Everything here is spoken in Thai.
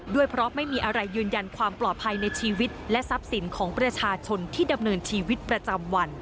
ด้วยเพราะไม่มีอะไรยืนยันความปลอดภัยในชีวิตและทรัพย์สินของประชาชนที่ดำเนินชีวิตประจำวัน